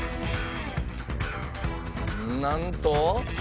なんと。